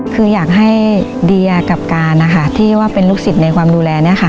คืออยากให้เดียกับการนะคะที่ว่าเป็นลูกศิษย์ในความดูแลเนี่ยค่ะ